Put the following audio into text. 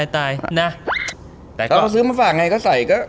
แต่ก็ซื้อมาฝากไงก็ใส่ก็